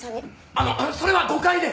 あのそれは誤解で！